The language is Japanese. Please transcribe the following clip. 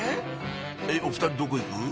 えっお２人どこ行く？